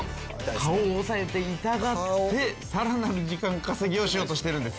顔を押さえて痛がってさらなる時間稼ぎをしようとしているんです。